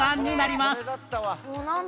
そうなんだ。